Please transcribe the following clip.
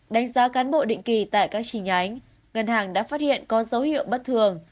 đánh giá cán bộ định kỳ tại các chi nhánh ngân hàng đã phát hiện có dấu hiệu bất thường